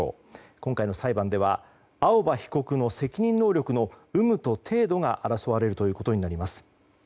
今回の裁判では青葉被告の責任能力の有無と程度が争われるということになります。